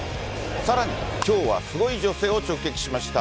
さらに、きょうはすごい女性を直撃しました。